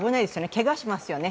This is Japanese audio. けがしますよね。